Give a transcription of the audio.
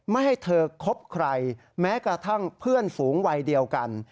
ไม่ให้เธอคบใครแม้กระทั่งเพื่อนฝูงวัยเดียวกัน